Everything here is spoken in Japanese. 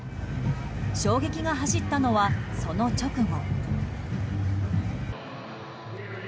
衝撃が走ったのは、その直後。